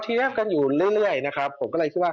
พี่ทศวันนี้มีอะไรมาฝาก